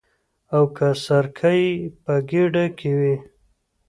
او که سرکه یې په ګېډه کې وي.